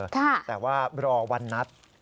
แต่ว่ารอวันนัด